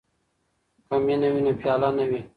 که مینه وي نو پیاله نه وي.